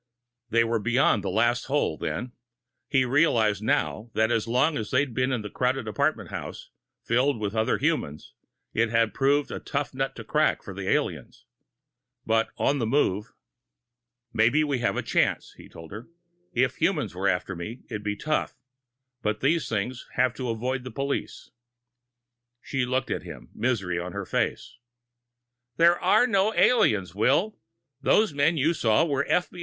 They were beyond the last hole, then. He realized now that as long as they'd been in a crowded apartment house, filled with other humans, it had proved a tough nut to crack for the aliens. But on the move.... "Maybe we have a chance," he told her. "If humans were after me, it'd be tough but these things have to avoid the police." She looked at him, misery on her face. "There are no aliens, Will. Those men you saw were F.